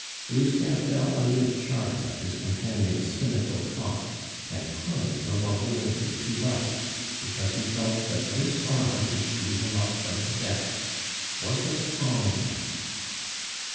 Lucien fell under the charm of his companion's cynical talk, and clung the more willingly to life because he felt that this arm which drew him up from the depths was a strong one.